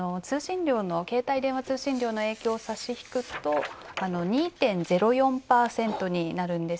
携帯電話の通信料の影響を差し引くと、２．０４％になるんです。